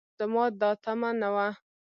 زما دا تمعه نه وه